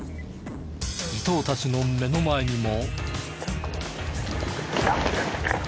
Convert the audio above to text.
伊藤たちの目の前にも。